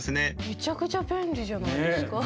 めちゃくちゃ便利じゃないですか？